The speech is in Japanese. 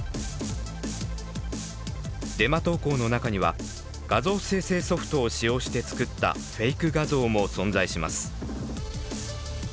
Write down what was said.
デマ投稿の中には画像生成ソフトを使用して作ったフェイク画像も存在します。